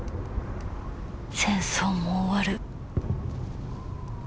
戦争も終わる。